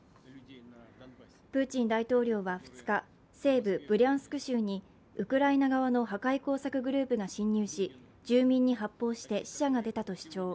プーチン大統領は２日西部ブリャンスク州にウクライナ側の破壊工作グループが侵入し、住民に発砲して死者が出たと主張。